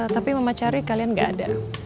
tapi mama cari kalian tidak ada